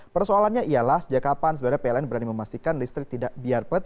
persoalannya ialah sejak kapan sebenarnya pln berani memastikan listrik tidak biarpet